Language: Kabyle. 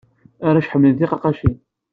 Arrac ḥemmlen tiqaqqacin.